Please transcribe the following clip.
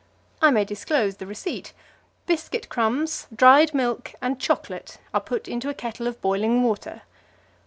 I may disclose the receipt: biscuit crumbs, dried milk and chocolate are put into a kettle of boiling water.